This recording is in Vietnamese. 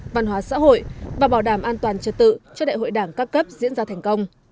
văn hóa xã hội và bảo đảm an toàn trật tự cho đại hội đảng các cấp diễn ra thành công